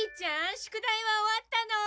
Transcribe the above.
宿題は終わったの？